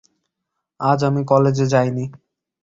আজ আমি কলেজে যাই নি।